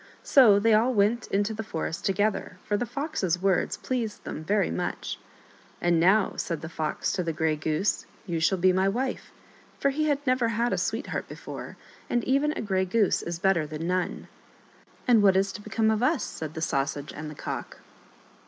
So they all went into the forest together, for the Fox's words pleased them very much. " And now," said the Fox to the Grey Goose, " you shall be my wife," for he had never had a sweetheart before, and even a Grey Goose is better than none. *' And what is to become of us ?" said the Sausage and the Cock.